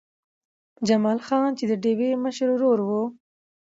جمال خان چې د ډېوې مشر ورور و